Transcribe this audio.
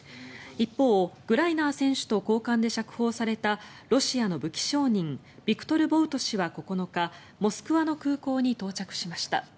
一方、グライナー選手と交換で釈放されたロシアの武器商人ビクトル・ボウト氏は９日モスクワの空港に到着しました。